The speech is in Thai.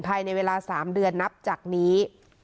ภายในเวลา๓เดือนนับจากนี้